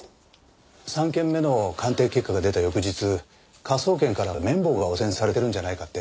３件目の鑑定結果が出た翌日科捜研から綿棒が汚染されてるんじゃないかって